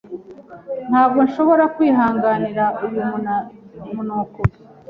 Ntabwo nshobora kwihanganira uyu munuko.